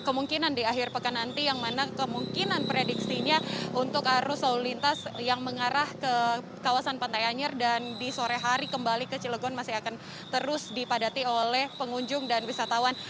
kemungkinan di akhir pekan nanti yang mana kemungkinan prediksinya untuk arus lalu lintas yang mengarah ke kawasan pantai anyer dan di sore hari kembali ke cilegon masih akan terus dipadati oleh pengunjung dan wisatawan